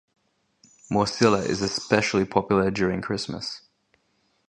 Morcilla is especially popular during Christmas.